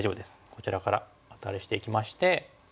こちらからアタリしていきまして。